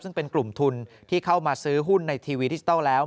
ซึ่งเป็นกลุ่มทุนที่เข้ามาซื้อหุ้นในทีวีดิจิทัลแล้ว